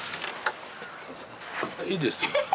いいですよ。